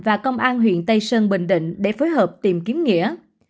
và công an huyện tây sơn bình định để phối hợp tìm kiếm nghĩa